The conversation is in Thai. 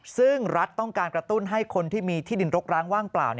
ซึ่งรัฐต้องการกระตุ้นให้คนที่มีที่ดินรกร้างว่างเปล่า